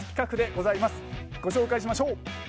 ご紹介しましょう。